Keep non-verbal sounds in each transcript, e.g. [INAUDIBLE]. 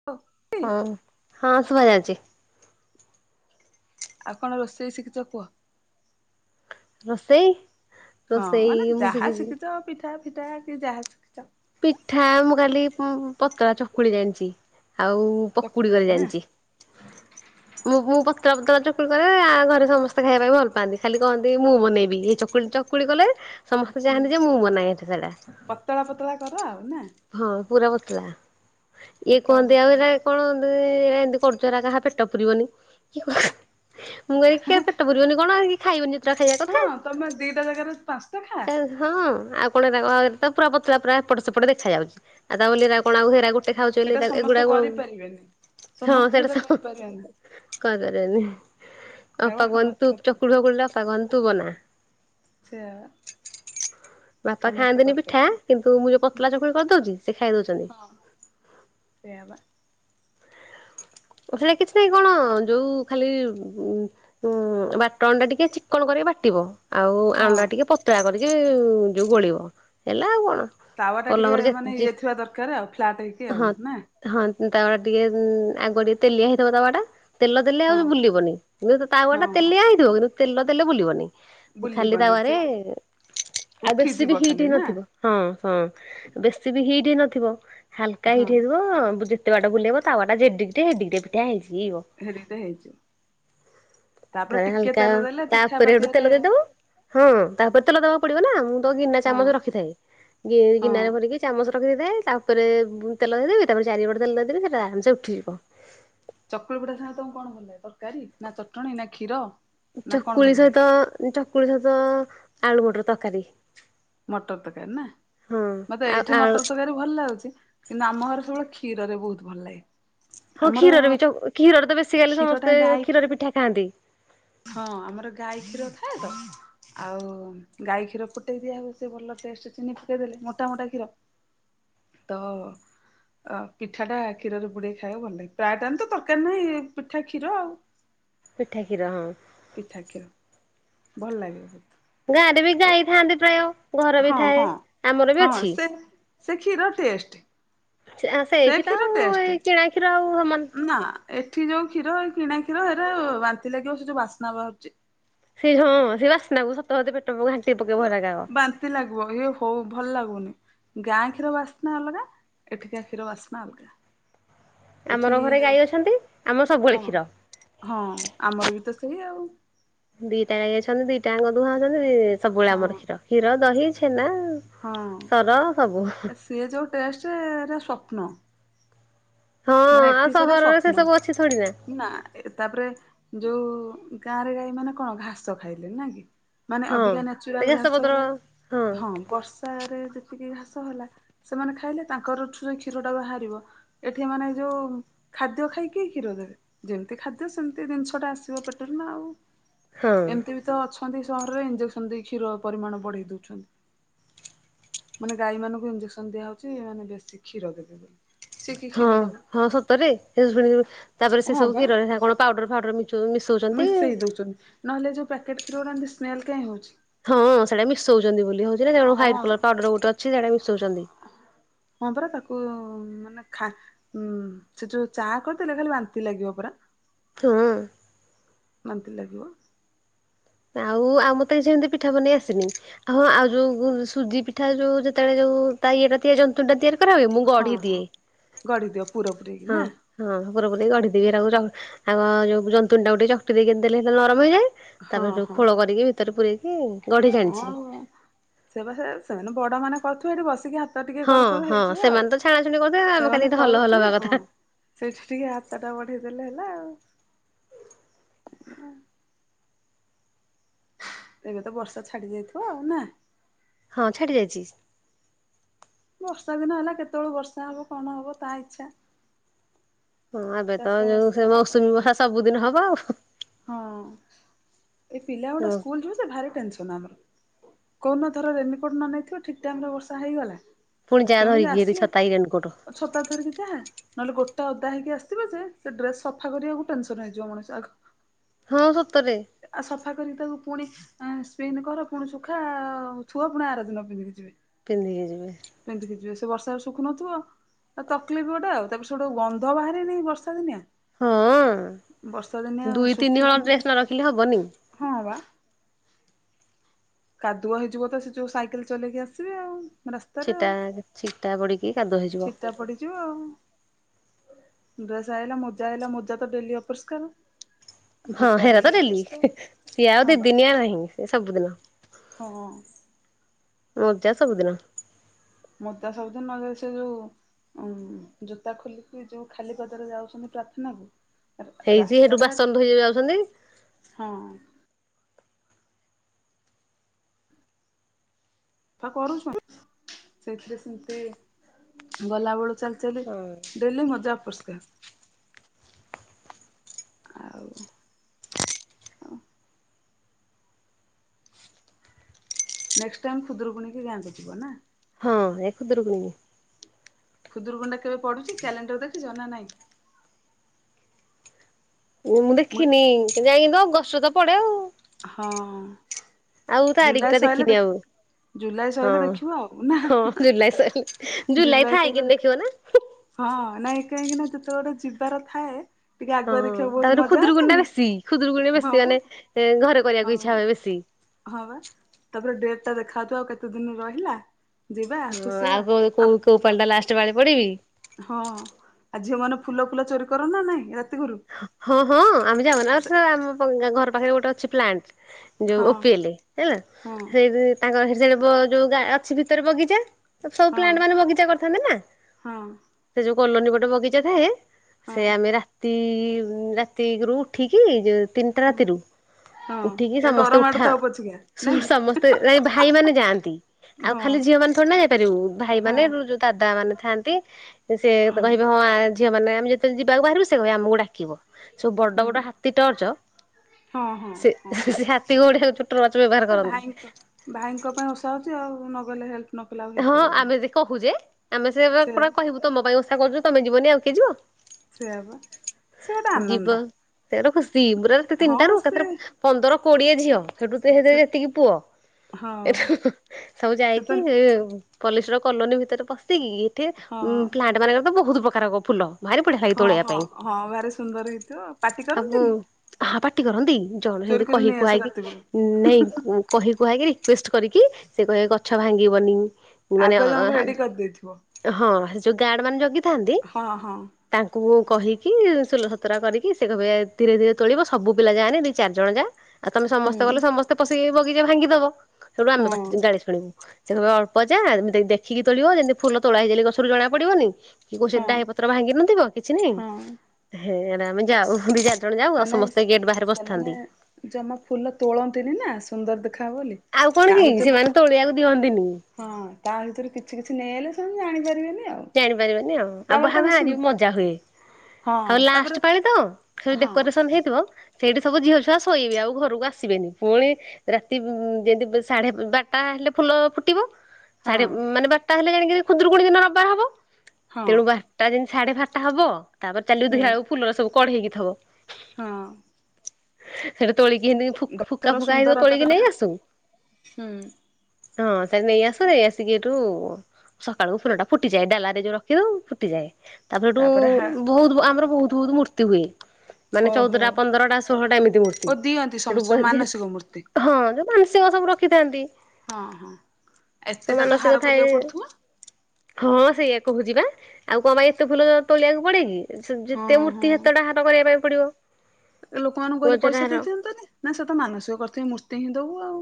[UNINTELLIGIBLE] ହଁ ହଁ ଶୁଭା ଯାଉଚି। ଆଉ କଣ ରୋଷେଇ ଶିଖିଛ କୁହ? ରୋଷେଇ? ହଁ ରୋଷେଇ ମାନେ ମୁଁ ଯାହା ଶିଖିଛି। ଶିଖିଛ ପିଠା ଫିଟା କି ଯାହା ଶିଖିଛ। ପିଠା-ଆ-ଆ-ଆ ମୁଁ ଖାଲି ଉମ୍ ପତଳା ଚକୁଳି ଜାଣିଛି ଆଉ-ଉ ପକୁଡି ଚକୁଳି କରି ନା ଜାଣିଛି। ମୁଁ ମୁ ପତଳା ପତଳା ଚକୁଳି କରେ ଆ ଘରେ ସମସ୍ତେ ଖାଇବା ପାଇଁ ଭଲ ପାଆନ୍ତି ଖାଲି କହନ୍ତି ମୁଁ ମନେଇବି ଏ ଚକୁଳି ଚକୁଳି କଲେ ସମସ୍ତେ ହୁଁ ଚାହାନ୍ତି ଯେ ମୁଁ ବନାଏ ସେଇଟା। ପତଳା ପତଳା କର ଆଉ ନା? ହଁ ପୁରା ପତଳା ଇଏ ପତଳା କୁହନ୍ତି ଆଉ ପତଳା। ଏରେ କଣ [UNINTELLIGIBLE] ଏମିତି କରୁଛ ହେରା କାହା ପେଟ ପୁରିବନି କି ମୁଁ କହିବି କିଆଁ ପେଟ ପୁରିବନି କଣ ଆ ଖାଇବନି ଯ ହଁ ତମେ ଦିଟା ଜାଗାରେ ପାଞ୍ଚଟା ଖା। ତା ହଁ ଆଉ କଣ ତାଙ୍କ ଆଗରେ ତ ପୁରା ପତଳା ପୁରା ଏପଟ ସେପଟ ଦେଖା ଯାଉଛି ଆଉ ତା ବୋଲି ଏରା କଣ ଆଉ ହେରା ଗୋ ଦେଖା ହେଉଚି ବୋଲି ସେଟା ଏରା ସମସ୍ତେ ଏଗୁଡା କୁ କରିପାରିବେନି। ହଁ ସମସ୍ତେ ସେଇଟା ସେଟା ସବୁ କରିପାରିବେନି [UNINTELLIGIBLE] ହଁ ବା ଅପା ସମସ୍ତେ କୁହନ୍ତି ତୁ କରିପାରିବେ ଚକୁଲ ଫକୁଲ ଟା ଅପା କହନ୍ତି ତୁ ବନା। ସେୟା ବା। ବାପା ସମସ୍ତେ ଖାଆନ୍ତିନି ପିଠା କରିପାରିବେ କିନ୍ତୁ ମୁଁ ଯଉ ପ ତଳା ଚକୁଳି କରିଦଉଛି ସେ ଖାଇ ଦଉଛନ୍ତି। ହଁ ସେଇଆ ବା। ପଠେଇଲେ କିଛି ନାହିଁ କଣ-ଅ-ଅ-ଅ ଯଉଁ-ଉ -ଉ ଖାଲି-ଇ-ଇ-ଇ ଉ ଉଁ-ଉ-ଉ ବାଟଣ ଟା ଟିକେ ଚିକଣ କରିକି ବାଟିବ। ଆଉ ଆଣ ହଁ। ଟା ଟିକେ ପତଳା କରିକି-ଇ-ଇ ଯୋଉ ଗୋଳେଇବ ହେଲା ଆଉ କଣ। ତାୱା ଟା ପଲମରେ ଟିକେ-ଏ-ଏ ମାନେ ଯେ ଇଏ ଥିବା ଦରକାର ଆଉ ଫ୍ଲାଟ ହେଇକି ଆଉ ହଁ ନା। ହଁ ତାୱା ଟିକେ-ଏ-ଏ-ଏ ଉ-ଉ-ଉ ଆଗ ଟିକେ ତେଲିଆ ହେଇଥବ ତାୱା ଟା। ତେଲ ଦେଲେ ହଁ। ଆଉ ବୁଲିବନି କିନ୍ତୁ ତାୱା ହଁ ଟା ତେଲିଆ ହେଇଥିବ କିନ୍ତୁ ତେଲ ଦେଲେ ବୁଲିବନି। ଖାଲି ବୁଲିବନି ସେ ତାୱାରେ-ଏ-ଏ ଆଉ ବେଶୀ ବି ଉଠିଯିବ ହିଟ ଖାଲି ହେଇ ନା ନଥିବ। ହଁ ହଁ ବେଶୀ ବି ହିଟ୍ ହେଇ ନଥିବ ହାଲକା ହଁ ହିଟ୍ ହେଇଥିବ-ଅ-ଅ ଯେତେ ବାଟ ବୁଲେଇବ ତାୱାଟା ଯେଡ଼ିକି ଟେ ହେଡିକି ଟେ ପିଠା ହେଇଯିବ। ହେଡ଼ିକି ଟେ ହେଇଛି। ତା ହାଲକା ତେଲ ଦେଲେ ପିଠା ତାପରେ ସେଠୁ ପାତିଆରେ ତେଲ ଦେଇଦବ। ହଁ ତାପରେ ତେଲ ଦବାକୁ ପଡିବ ନା ମୁଁ ତ ଗିନା ହଁ ଚାମଚ ରଖିଥାଏ ଗି ହଁ। ଗିନାରେ ଭରିକି ଚାମଚ ରଖି ଦେଇଥାଏ ତା ଉପରେ ମୁଁ ତେଲ ଦେଇଦେବି ତାପରେ ଚାରି ପଟେ ତେଲ ଦେଇଦବି ସେଇଟା ଆରାମସେ ଉଠିଯିବ। ଚକୁଳି ପିଠା ସାଙ୍ଗେ ତମକୁ କଣ ଭଲ ଲାଗେ ତରକାରୀ, ନା ଚଟଣି, ନା କ୍ଷୀର? ନା କଣ ଚକୁଳି ଭଲ ଲାଗେ ସହିତ ଚକୁଳି ସହିତ-ଅ-ଅ ଆଳୁ ମଟର ତରକାରୀ। ମଟର ତରକାରୀ ନା ହଁ ମତେ ଆଉ ଏଇଠି ଆଉ ମଟର ତରକାରୀ ଭଲ ଲାଗୁଛି କିନ୍ତୁ ଆମ ଘରେ ସବୁବେଳେ କ୍ଷୀରରେ ବହୁତ୍ ଭଲ ଲାଗେ, ହଁ ଆମର କ୍ଷୀର ରେ ବି ଯୋଉ କ୍ଷୀର ରେ ତ ବେଶୀ ଖାଲି କ୍ଷୀର ଟା ସମସ୍ତେ ଗାଈ କ୍ଷୀର ରେ ପିଠା ଖାଆନ୍ତି, ହଁ ଆମର ଗାଈ କ୍ଷୀର ଥାଏ ତ, ଆଉ ଗାଈ କ୍ଷୀର ଫୁଟେଇ ଦିଆ ହବ ସେ ଭଲ ଟେଷ୍ଟ ଚିନି ପକେଇଦଲେ ମୋଟା-ମୋଟା କ୍ଷୀର, ତ, ଅ ପିଠା ଟା କ୍ଷୀରରେ ବୁଡ଼େଇ କି ଖାଇବା ଭଲ ଲାଗେ ପ୍ରାୟ ଟା ତ ଦରକାର ନାହିଁ ପିଠା କ୍ଷୀର ଆଉ, ପିଠା କ୍ଷୀର ହଁ, ପିଠା କ୍ଷୀର ଭଲ ଲାଗେ ବହୁତ୍, ଗାଡ଼ି ବି ଜିଇ ଥାଆନ୍ତି ପ୍ରାୟ, ଘର ବି ଥାଏ ଆମର ବି ହଁ-ହଁ-ହଁ ଅଛି। ସେ ସେ କ୍ଷୀର ଟେଷ୍ଟି, ସେଆ ସେଇ କ୍ଷୀର ଆଉ ଏଇ କିଣା ଷୀର ଆଉ ହମାନ୍ ନା ଏଠି ଯୋଉ କ୍ଷୀର କିଣା କ୍ଷୀର ଏଇଟା ବାନ୍ତି ଲାଗିବ ସେ ଯୋଉ ବାସ୍ନା ବାହାରୁଛି, ସେ ଝଁ ସେ ବାସ୍ନା କକୁ ସତ ହ ପେଟ ପ ଘାଞ୍ଚି, ବା ବାନ୍ତି ଲାଗିବ ଇଏ ହଉ ଭଲ ଲାଗୁନି ଗାଁ କ୍ଷୀର ବାସ୍ନା ଅଲଗା, ଏଠିକା କ୍ଷୀର ବାସ୍ନା ଅଲଗା, ଏଠି ଆମର ଘରେ ଗାଈ ଅଛନ୍ତି ଆମ ସବୁବେଳେ ହଁ କ୍ଷୀର, ହଁ ଆମର ବି ତ ସେଇୟା ଆଉ, ଦିଟା ଆଣି ଅଛନ୍ତି ଦିଟାଙ୍କ ଦୁହାଁ ଅଛନ୍ତି ସବୁବେଳେ ହଁ ଆମର କ୍ଷୀର-କ୍ଷୀର ଦହି ଛେନା, ସର ସବୁ। ହଁ ସିଏ ଯୋଉ ଟେଷ୍ଟଟେ ରେ ସ୍ବପ୍ନ, ହଁ ମାନେ ଆଉ ଏଠି ସେଟା ସହରରେ ସେ ସବୁ ଅଛି ଥୋଡି ସ୍ୱପ୍ନ, ନା ଏ ତାପରେ ଯୋଉ ଗାଁ ରେ ଗାଈ ମାନେ କଣ ଘାସ ଖାଇଲେ ନା କି, ମାନେ ହଁ ଅବିକା ସେ ନ୍ୟଚୁରାଲ ଘାସ ପତ୍ର ହେଲା ହଁ, ବର୍ଷା ରେ ଯେତିକି ଘାସ ହେଲା ସେମାନେ ଖାଇଲେ ତାଙ୍କରଠୁ କ୍ଷୀର ଟା ବାହାରିବ, ଏଠି ମାନେ ଯୋଉ ଖାଦ୍ୟ ଖାଇକି କ୍ଷୀର ଦେବେ, ଯେମିତି ଖାଦ୍ୟ ସେମିତି ଜିନିଷ ଟା ଆସିବ ପେଟରୁ ନା ଆଉ ହଁ ଏମିତି ବି, ତ ଅଛନ୍ତି ସହର ରେ ଇଞ୍ଜେକ୍ସନ ଦେଇ କ୍ଷୀର ପରିମାଣ ବଢ଼େଇ ଦଉଛନ୍ତି, ମାନେ ଗାଈ ମାନଙ୍କୁ ଇଞ୍ଜେକ୍ସନ ଦିଆହେଉଛି ମାନେ ବେଶୀ କ୍ଷୀର ଦେବେ ବୋଲି ସେ, ହଁ-ହଁ ସତରେ [UNINTELLIGIBLE] ତାପରେ ସେ ହଁ ସବୁ ବା କ୍ଷୀରରେ ନା କଣ ପାଉଡର ଫାଉଡର ମିସଉ ଦଉଛନ୍ତି ମିସ୍ ମିଶେଇ ଦଉଛନ୍ତି ନହେଲେ ଯଉ ପ୍ୟାକେଟ୍ କ୍ଷୀର ର ହଉହାନ୍ତି ସ୍ମଲ କାଇହିଁ ହଉଛି, ହଁ ସେଟା ମିସ ହୁଉଛନ୍ତି ବୋଲି ହଉଛି ନା ସେ ହଁ ହ୍ୱଟ କଲର ପାଉଡର ଗୋଟେ ଅଛି ସେଟାମିସ ହୁଉଛନ୍ତି, ହଁ ପରା ତାକୁ ମାନେ ଖା ହୁଁ ସେଟା ଚା କରିଦେଲେ ଖାଲି ବାନ୍ତି ଲାଗିବ ପୁରା, ହୁଁ, ବାନ୍ତି ଲାଗିବ, ଆଉ ଆମ ତ ସେମିତି ପିଠା ବନେଇ ଆସିନି, ହଁ ଆଉ ଯୋଉ ଗୁ ସୁଜି ପିଠା ଯୋଉ ଯେତେବେଳେ ଯୋଉ ତା ଇଏଟା ତି ଆ ଯୋଉ, [UNINTELLIGIBLE] ତିଆରି କର ହୁଏ ମୁଁ ହଁ ଗଢ଼ି ହଁ ଦିଏ ଗଢି ଦିଅ ପୁର ପୁରେଇକି ହଁ, ନା ହଁ ପୁରା ପୁରୀ ଗଢି଼ଦେବି ତାକୁ ତାଗ ଆଉ ଯୋଉ ଜନ୍ତୁ ଟା ଗୋଟେ ଚକଟି ଦେଇ ଦେଲେ ହେଲେ ନରମ ହେଇଯାଏ, ହଁ ତାପରେଠୁ ହଁ ଖୋଳ କରିକି ଭିତରେ ପୂରେଇକି, ଗଢି ହଁ ଛାଣିଛି। ସେ ବା ସେ ସେମାନେ ବଡ଼ ମାନେ କରିଥିବେ ଏଠି ବସିକି ହା, ତ ଟିକେ ହଁ କରୁ-କରୁ ହଁ ହେଇଯିବ ଆଉ ସେମାନେ ତ ଛାଣାଛୁଣି କରୁଥିବେ ଆମେ ଖାଲି ସେମାନେ ଏଠି ହଲ ହଲ ହବା କରୁଥିବେ ହଁ, କଥା। ସେଇଠି ଟିକେ ହାତ ଟା ବଢେଇଦଲେ ହେଲା ଆଉ ହଁ, ଏବେ ତ ବର୍ଷା ଛାଡି ଯାଇଥିବ ଆଉ ନା? ହଁ ଛାଡ଼ି ଯାଇଛି, ବର୍ଷା ଦିନ ହେଲା କେତେବେଳୁ ବର୍ଷା ହବ କଣ ହବ ତା ଇଚ୍ଛା, ହଁ ଏବେ ତ ଯୋଉ ଚାଷବାସ ସେ ହବ ମୌସୁମୀ ବଷା ସବୁଦିନ ହବ ଆଉ। ହଁ, ଏ ପିଲା ଗୁଡ଼ା ହଁ। ସ୍କୁଲ୍ ଯିବେ ଯେ ଭାରି ଟେନସନ୍ ଆମର। କଉନ୍ନ ଧର ରେନିକୋର୍ଟ ନ ନେଇଥିବ ଠିକ୍ ଟାଇମରେ ବର୍ଷା ହେଇଗଲା। ଫୁଣି ଯା କେମିତି ଧରିକି ଏଠି ଆସିବେ ଛତା କି ରେନିକୋର୍ଟ। ଛତା ଧରିକି ଯାଆ। ନହଲେ ଗୋଟା ଓଦା ହେଇକି ଆସିଥିବ ଯେ ସେ ଡ୍ରେସ୍ ସଫା କରିବାକୁ ଟେନସନ୍ ହେଇଯିବ ମଣିଷ ଆଗ। ହଁ ସତରେ। ଆ ସଫା କରିକି ତାକୁ ପୁଣି ଆଁ ସ୍ପିନ୍ କର ପୁଣି ସୁଖା, ଛୁଆ ପୁଣି ଆରଦିନ ପିନ୍ଧିକି ଯିବେ। ପିନ୍ଧିକି ଯିବେ। ପିନ୍ଧିକି ଯିବେ, ସେ ବର୍ଷାରେ ଶୁଖୁନଥୁବ। ଆଉ ତକ୍ଲିପ୍ ଗୋଟେ ଆଉ, ତାପରେ ସେଠୁ ଗନ୍ଧ ବାହାରେ ନେହିଁ ବର୍ଷା ଦିନିଆ। ହଁ ବର୍ଷା ଦିନିଆ ଦୁଇ ତିନି ହଳ ଡ୍ରେସ ଶୁଖିବନି, ନ ରଖିଲେ ହବନି। ହଁ ବା। କାଦୁଅ ହେଇଯିବ ତ ସେ ଯୋଉ ସାଇକେଲ ଚଲେଇକି ଆସିବେ ଆଉ। ଛିଟା, ଛିଟା ପଡିକି କାଦୁଅ ହେଇ ଛିିଟା ପଡିଯିବ ଆଉ। ଡ୍ରେସ୍ ଆଇଲା ମୋଜା ଆଇଲା, ମୋଜା ତ ଡେଲି ଅପରିସ୍କାର। ହଁ ହେରା ତ ଡେଲି, ସିଏ ଆଉ ହଁ ଦି ବା ଦିନିଆ ନାହିଁ ସେ ସବୁଦିନ। ହଁ ମୋଜା ସବୁଦିନ। ମୁଁ ତା ସବୁଦିନ ନୂଆ ଡ୍ରେସ୍ ଯୋଉ ଉଁ, ଜୋତା ଖୋଲିକି ଯୋଉ ଖାଲି ପାଦରେ ଯାଉଛନ୍ତି ପ୍ରାଥନାକୁ। [UNINTELLIGIBLE] ହେଇଛି ସେଠୁ ରାସ୍ତାଟା, ବାସନ ଧୋଇ ଯାଉଛନ୍ତି। ହଁ। ତ କରୁଛୁ, ସେଇଥିରେ ସେମିତି ଗଲାବେଳୁ ଚାଲି ଚାଲି ଡ଼େଲି ମଜା ଅପରିଷ୍କାର। ଆଉ ନେକ୍ସ୍ଟ ଟାଇମ୍ ଖୁଦୁରୁକୁଣୀ କି ଗାଁକୁ ଯିବ ନାଁ? ହଁ ଏ ଖୁଦୁରୁକୁଣୀ କି। ଖୁୁଦୁରୁକୁଣୀଟା କେବେ ପଡୁଛି କ୍ୟାଲେଣ୍ଡର ଦେଖିଚ ନା ନାଇଁ? ମୁଁ ମୁ ଦେଖିନି ଯାଇଁକି ତ ଗର୍ଷ ତ ପଡେ ଆଉ। ହଁ, ଆଉ ତାରିଖ ଜୁଲାଇ ଟା ସଇଲେ ଦେଖିନି ଦେ ଆଉ ଜୁଲାଇ ହଁ। ସଇଲେ ଦେଖିବୁ ଆଉ ନାଁ? ହଁ ଜୁଲାଇ ସରିଲେ ଜୁଲାଇ ସଇଲେ ଥାଇକିନି ଦେଖି ଦେଖିବ ନା। ହଁ ନାଇଁ କାହିଁକି ନା ଯେତେବେଳେ ଗୋଟେ ଯିବାର ଥାଏ। ଟିକେ ହଁ, ଆଗୁଆ ହଁ, ଦେଖିବାକୁ ବହୁତ ତାପରେ ମଜା ଖୁଦୁରୁକୁୁଣୀଟା ଆସେନି? ବେଶୀ, ଖୁଦୁରୁକୁୁଣୀ ହଁ ବା ବେଶୀ ମାନେ, ଏଁ ଘରେ କରିବାକୁ ହଁ, ଇଚ୍ଛା ହୁଏ ବେଶୀ। ହଁଅଁପା, ତାପରେ ଡେଟ୍ ଟା ଦେଖାହଉଥିବ ଆଉ କେତେ ଦିନି ରହିଲା। ଯିବା ଅଁ ଖୁସି ଆଉ ହବା କୋଉ ଆଉ କୋଉ କୋଉ ପାଳିଟା ଲାଷ୍ଟ ପାଳି ପଡିବି କି? ହଁ, ଆ ଝିଅମାନେ ଫୁଲ ଫୁଲ ଚୋରି କରନା ନାଇଁ ରାତିକୁରୁ? ହଁ ହଁ ଆମେ ଯାଉ ନାଥ୍ ଆମ ପ୍ ଘର ପାଖରେ ଗୋଟେ ଅଛି ପ୍ଲାଣ୍ଟ। ଯୋଉ ହଁ ଓପିଏଲେ ହେଲା, ହଁ ସେଇ ଦି ତାଙ୍କର [UNINTELLIGIBLE] ବ ଯୋଉ ଗା ଅଛି ଭିତରେ ବଗିଚା। ସବୁ ହଁ ପ୍ଲାଣ୍ଟ ମାନେ ବଗିଚା କରିଥାନ୍ତି ନା, ହଁ ସେ ଯୋଉ କଲୋନୀ ପଟେ ବଗିଚା ଥାଏ ହଁ ସେ ଆମେ ରାତି ରାତି ଏକରୁୁ ଉଠିକି ଯୋଉ ତିନିଟା ହଁ ରାତିରୁ ହଁ ଉଠିକି ଏ ଡର ସମସ୍ତେ ଉଠା, ମାଡୁଥାଉ ପଛିକା ନାଇଁ ସେଉଟୁ କି ସମସ୍ତେ ନାଇଁ ଭାଇ ମାନେ ଯାଆନ୍ତି। ଆଉ ହଁ ଖାଲି ଝିଅମାନେ ଥୋଡ଼ିନା ଯାଇପାରିବୁ ଭାଇ ହଁ ମାନେ ରୁ ଯ ଦାଦା ମାନେ ଥାଆନ୍ତି, ସେ ହୁଁ କହିବେ ହଁ ଆଁ ଝିଅମାନେ ଆମେ ଯେତେବେଳେ ଯିବାକୁ ବାହାରିବୁ ସେ କହିବେ ଆମକୁ ଡା କିବ, ସବୁ ବଡ ହୁଁ ବଡ ହାତୀ ଟର୍ଚ ହଁ ହଁ ସେ ହଁ ସେ ହାତୀ ଘଉଡ଼ାଇବାକୁ ସେ ଟ୍ରଚ ବ୍ୟବହାର ଆ କରନ୍ତି। ଭାଇଙ୍କ ଭାଇଙ୍କ ପାଇଁ ଓସା ହଉଛି ଆଉ ନଗଲେ ହେଲ୍ପ ନ କଲେ ଆଉ ହଁ ହେଇପାରିବନି ଆମେ ଯେ କହୁଛେ ଆମେ ସେ ସେୟା ପୁରା କହିବୁ ତମ ପାଇଁ ଓସା କରୁଛୁ ତମେ ଯିବନି ଆଉ କିଏ ଯିବ। ସେୟା ବା ସେ ଗୋଟେ ଆନନ୍ଦ ଯିବ ସେ ର ଖୁସି ଗୁରାର ହଁ ତିନିଟା ରୁ ସେ ଏକଥରେ ପନ୍ଦର କୋଡ଼ିଏ ଝିଅ। ସେଠୁ ତ ହେ ସେ ଯେତିକି ପୁଅ ହଁ ଏଠୁ ସବୁ ସେ ତ ଯାଇକି ପଲଶର କଲୋନୀ ଭିତରେ ପଶିକି ଏଠି ହଁ ପ୍ଲାଣ୍ଟ ମାନଙ୍କରେ ତ ବୋହୁତ ପ୍ରକାର ଫୁଲ। ଭାରି ବଢିଆ ଲାଗେ ହଁ ତୋଳିବା ହଁ ପାଇଁ ହଁ ଭାରି ସୁନ୍ଦର ହେଇଥିବ ପାଟି ଆଉ କରନ୍ତିନି? ହା ପାଟି କରନ୍ତି ଜଣେ ଚୋରି ସେମତି କରି କହି ନେଇ ଆସ କୁହାଇକି ରାତି ବେଳୁ ନେଇ କହି କୁହାକି ରିକ୍ୱେଷ୍ଟ କରିକି ସେ କହିବେ ଗଛ ଭାଙ୍ଗିବନି ମାନେ ଆଗୁଆ ଜଣଙ୍କୁ ରେଡି କରିଦେଇଥିବ ହଁ ଯୋଉ ଗାଡ ମାନେ ଜଗିଥାନ୍ତି ହଁ ହଁ ତାଙ୍କୁ କହିକି ସୁଲ ସତୁରା କରିକି ସେ କହିବେ ଧୀରେ ଧୀରେ ତୋଳିବ ସବୁ ପିଲା ଯାଏନି ଦି ଚାରିଜଣ ଯା। ଆଉ ତମେ ହୁଁ ସମସ୍ତେ ଗଲେ ସମସ୍ତେ ପଶେଇ ବଗି ଭାଙ୍ଗିଦବ ସେଇଠୁ ହଁ ଆମେ ପାଟି ଗାଳି ଶୁଣିବୁ ସେ ଅଳ୍ ପଜା ଦେଖିକି ତୋଳିବ ଯେମିତି ଫୁଲ ତୋଳା ହେଇଚି ବୋଲି ଗଛରୁ ଜଣା ପଡିବନି। କି କୋ ହଁ ଡାହି ପତ୍ର ଭାଙ୍ଗି ନଥିବ କିଛି ନାଇଁ। ହଁ ହେ ଆମେ ଯାଉ ଦି ଚାରି ଜଣ ଯାଉ ଆଉ ନାଇଁ ସମସ୍ତେ ଗେଟ୍ ବାହାରେ ସେମାନେ ବସିଥାନ୍ତି। ଜମା ଫୁଲ ତୋଳନ୍ତିନି ନା ସୁନ୍ଦର ଦେଖାହବ ବୋଲି। ଆଉ କଣ ତା କି ଭିତରୁ ସେମାନେ ତୋଳିଆକୁ ଦିଅନ୍ତିନି। ହଁ ତା ଭିତରୁ କିଛି କିଛି ନେଇ ଆଇଲେ ସବୁ ଜାଣିପାରିବେନି ଆଉ। ଜାଣିପାରିବେନି ଆଉ ଆଉ ତାପରେ ବାହା ତାଙ୍କ ସୁ ବାହାରି ବି ମଜା ହୁଏ। ହଁ ଆଉ ତାପରେ ଲାଷ୍ଟ ପାଳି ତ ହଁ ଡେକୋରେସନ ହେଇଥିବ। ସେଇଠି ସବୁ ଝିଅ ଛୁଆ ଶୋଇବେ ଆଉ ଘରକୁ ଆସିବେନି ପୁଣି ରାତି ଯେମିତି ସାଢେ ବାରଟା ହେଲେ ଫୁଲ ଫୁଟିବ। ସାଢେ ହଁ ମାନେ ବାରଟା ହେଲେ ଜାଣିକି ଖୁଦୁରୁକୁଣୀ ଦିନ ରବିବାର ହବ। ହଁ ତେଣୁ ବା ତା ଯେମିତି ସାଢେ ବାରଟା ହବ ତାପରେ ଚାଲ ହୁଁ ଦେଖିଲା ବଳକୁ ଫୁଲର ସବୁ କଢେଇକିଥବ। ହଁ। ସେଟା ତୋଳିକି ହେନ୍ତି ଫୁ ଫୁକା ଗଛର ଫୁକା ହେଇଥିବ ସୁନ୍ଦରତାଟା ତୋଳିକି ନେଇ ଆସୁ। ହୁଁ ହଁ ସେ ନେଇ ଆସୁ ନେଇ ଆସିକି ଏଠୁ ସକାଳୁ ଫୁଲଟା ଫୁଟିଯାଏ ଡାଲରେ ଯୋଉ ରଖିଦଉ ଫୁଟିଯାଏ। ତାପରେ ସେଠୁ ବୋହୁତ ଆମର ବୋହୁତ ବୋହୁତ ମୂର୍ତ୍ତି ହୁଏ। ମାନେ ଓହୋ ଚଉଦଟା ପନ୍ଦରଟା ଷୋହଳଟା ଏମିତି ହୁଏ ମୂର୍ତ୍ତି ଓ ଦିଅନ୍ତି ସେଠୁ ସମସ୍ତେ ଯୋଉ ମାନସିକ ମୂର୍ତ୍ତି ହଁ ଯୋଉ ମାନସିକ ସବୁ ରଖିଥାନ୍ତି। ହଁ ହଁ ସବୁ ଏତେଟା ତ ମାନସିକ ହାର ଥାଏ। କରିବାକୁ ପଡୁଥିବ? ହଁ ସେଇଆ କହୁବା ଆଉ କଣ ପାଇଁ ଏତେ ଫୁଲ ତୋଳିବାକୁ ପଡେ କିି ହଁ ଯେତେ ମୂର୍ତ୍ତି ହଁ। ସେତଟା ହାତ କରିବା ପାଇଁ ପଡିବ। ଲୋକମାନଙ୍କୁ କହିଲେ ଗଜରା ପଇସା ହାର ଦେଇ ଦିଅନ୍ତନି ନା ସେ ତ ମାନସିକ କରିଥି ମୂର୍ତ୍ତି ହିଁ ଦବୁ ଆଉ।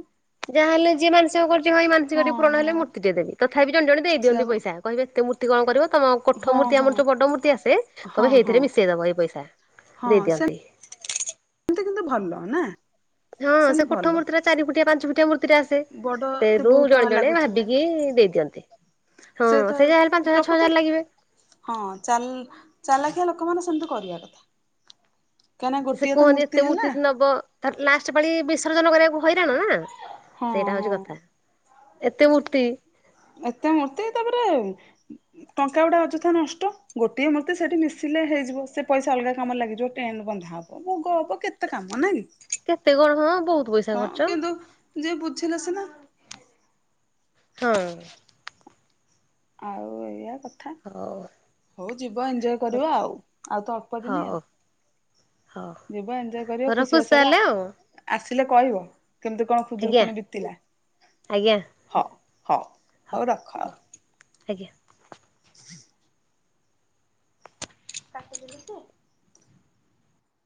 ଯାହା ହେଲେ ଯିଏ ମାନସ କରୁଛି ଭାଇ ମସିକ ହଁ ହଁ ପୁରଣଲେ ମର୍ତ୍ତି ଟେ ଦେି ତଥାପି ଜେ ଜଣ ସେୟା ଦେଇଦିଅନ୍ତି ବା ପଇସା। କହିବେ ଏତେ ମୂର୍ତ୍ତି କଣିବ ତମ କୋଠ ହଁ ମୂର୍ତ୍ତି ହଁ ଆମର ଯୋଉ ବଡ ମୂର୍ତ୍ତି ଆସେ ହଁ କହିବେ ହଁ। ହେଇଥିରେ ମିଶେଇଦବ ହେଇପଇସା। ଦେଇ ଦିଅନ୍ତି। ଏମିତି କିନ୍ତୁ ଭଲ ନା। ହଁ ସେ ସେମିତି କୋଠ ଭଲ। ମୂତ୍ତିରେ ଚାରିଫୁଟିଆ ପାଞ୍ଚୁଫୁଟିଆ ମୂର୍ତ୍ତି ଟା ଆସେ ବଡ ବହୁତ ସେଠୁ ଜଣେ ଟଙ୍କା ଜଣେ ଲାଗୁଥିବେ ଭାବିକି ଦେଇଦିଅନ୍ତି। ହଁ ସେ ଯା ହେଲେ ପାଞ୍ଚ ହଜାର ଛଅ ପ୍ରକୃତରେ ହଜାର ଲାଗିବେ। ହଁ ଚା ଚାଲାଖିଆ ଲୋକମାନେ ସେମିତି କରିବା କଥା। କାହିଁ ନା ସେ ଗୋଟିଏ ତ କୁହନ୍ତି ଏତେ ମୂର୍ତ୍ତି ହେଲା। ନବ ଲାଷ୍ଟ ପାଳି ବିସର୍ଜନ କରିବାକୁ ହଇରାଣ ନା। ହଁ ସେଇଟା ହଉଛି ହଁ। କଥା। ଏତେ ମୂର୍ତ୍ତି ଏତେ ମର୍ତ୍ତ ତାପରେ ଟଙ୍କା ଗୁଡ଼ା ଅଯଥା ନଷ୍ଟ ଗୋଟିଏ ମୂର୍ତ୍ତି ସେଇଠି ମିଶିଲେ ହେଇଯିବ ସେ ପଇସା ଅଲଗା କାମରେ ଲାଗିିବ ଟେଣ୍ଟ ବନ୍ଧା ହବ। ଓ ମୋଗବ କେତେ କାମ ନାଇ କେତେ କଣ ହଁ ବହୁତ। ପଇସା ହଁ ଖର୍ଚ୍ଚ କିନ୍ତୁ ଯିଏ ବୁଝିଲା ସିନା। ହଁ ଆଉ ଏଇଆ କ ଥା ହଉ ହଉ ଯିବ ଏଞ୍ଜୟ କରିବ ଆଉ। ଆଉ ତ ଅଳ୍ପ ଦିନି ହଉ ଆଉ। ହଉ। ଯିବ ଏଞ୍ଜୟ କରିବ ହଉ ଖୁସି ରଖୁଛି ଆସ ବା। ତାହେଲେ ଆଉ ଆସିଲେ କହିବ କେମିତି କଣ ଆଜ୍ଞା ଖୁଦୁରୁକୁଣି ବିତିଲା। ଆଜ୍ଞା ହଁ ହଉ ହଉ ରଖ। ଆଜ୍ଞା। କାଟିଦେଲେ ସେ?